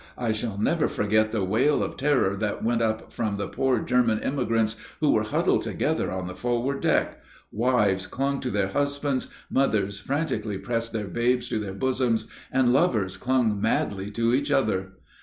I shall never forget the wail of terror that went up from the poor German emigrants, who were huddled together on the forward deck. Wives clung to their husbands, mothers frantically pressed their babes to their bosoms, and lovers clung madly to each other.